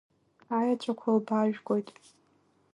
Аеҵәақәа лбаажәгоит!